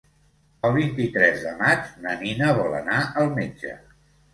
El vint-i-tres de maig na Nina vol anar al metge.